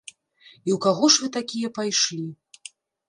І ў каго ж вы такія пайшлі?